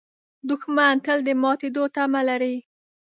دښمن تل د ماتېدو تمه لري